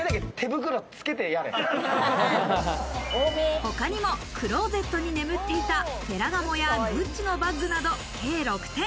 他にもクローゼットに眠っていた、フェラガモやグッチのバッグなど計６点。